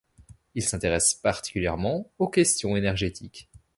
Il s'intéresse particulièrement aux questions énergétiques.